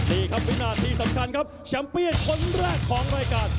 นี่ครับวินาทีสำคัญครับแชมเปียนคนแรกของรายการ